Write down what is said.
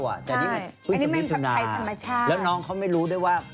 แต่นี่ไม่มีใครธรรมชาติแล้วน้องเขาไม่รู้ด้วยว่า